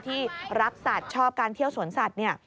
ที่รักสัตว์ชอบการเที่ยวสวนสัตว์เนี่ย